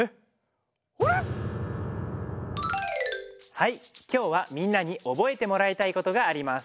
はいきょうはみんなにおぼえてもらいたいことがあります。